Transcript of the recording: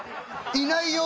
いないよ